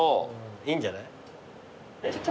いいんじゃない？